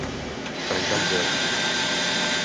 Trencar el gel.